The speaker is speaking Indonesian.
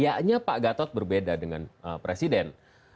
kayaknya pak gatot berbeda dengan presiden